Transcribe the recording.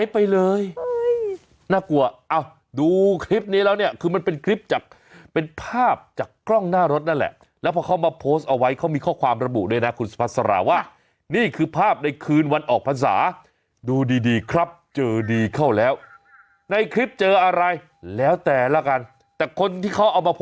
ไปดูอีกทีแล้วกันวนดูอีกทีแต่ขอดูให้ทันแล้วกันนะคะ